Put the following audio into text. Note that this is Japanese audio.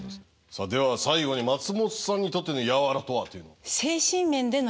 さあでは最後に松本さんにとっての柔とはというのを。